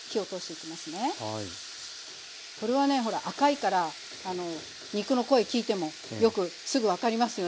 これはねほら赤いから肉の声聞いてもよくすぐ分かりますよね。